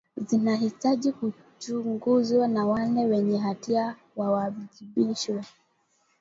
zinahitaji kuchunguzwa na wale wenye hatia wawajibishwe